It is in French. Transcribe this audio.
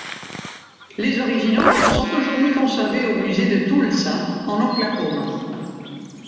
Les originaux sont aujourd'hui conservés au musée de Tulsa, en Oklahoma.